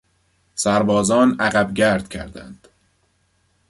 سربازان عقبگرد کردند.